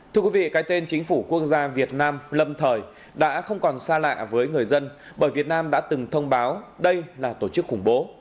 thưa quý vị cái tên chính phủ quốc gia việt nam lâm thời đã không còn xa lạ với người dân bởi việt nam đã từng thông báo đây là tổ chức khủng bố